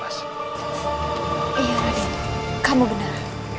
iya radit kamu benar